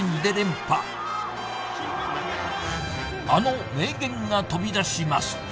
あの名言が飛び出します